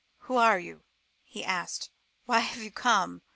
"Who are you?" he asked; "why have you come?